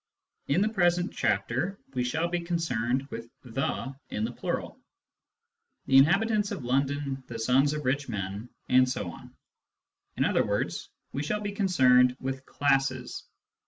r: '" In the present chapter we shall be concerned with the in the plural : the inhabitants of London, the sons of rich men, and so on. In other words, we shall be concerned with classes.